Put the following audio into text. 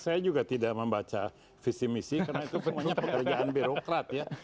saya juga tidak membaca visi misi karena itu semuanya pekerjaan birokrat ya